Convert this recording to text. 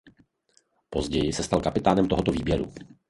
Později se stal kapitán tohoto výběru.